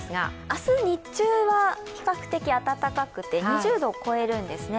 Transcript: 明日日中は比較的暖かくて２０度を超えるんですね。